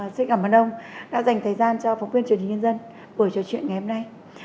xin cảm ơn ông đã dành thời gian cho phóng viên truyền hình nhân dân bởi trò chuyện ngày hôm nay